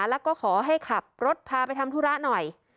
แล้วก็ขอให้ขับรถพาไปทำธุระหน่อย